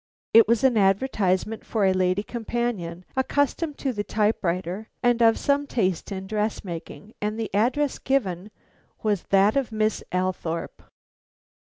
It was an advertisement for a lady companion accustomed to the typewriter and of some taste in dressmaking, and the address given was that of Miss Althorpe.